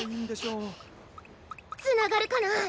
つながるかな？